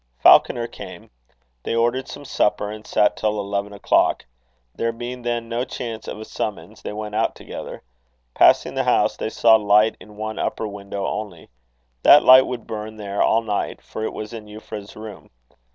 Falconer came. They ordered some supper, and sat till eleven o'clock. There being then no chance of a summons, they went out together. Passing the house, they saw light in one upper window only. That light would burn there all night, for it was in Euphra's room.